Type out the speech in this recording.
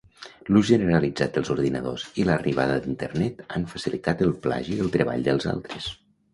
L'ús generalitzat dels ordinadors i l'arribada d'Internet han facilitat el plagi del treball dels altres.